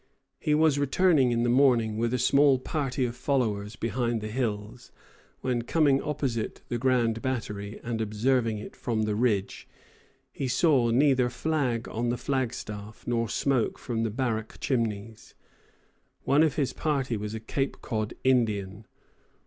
He was returning, in the morning, with a small party of followers behind the hills, when coming opposite the Grand Battery, and observing it from the ridge, he saw neither flag on the flagstaff, nor smoke from the barrack chimneys. One of his party was a Cape Cod Indian.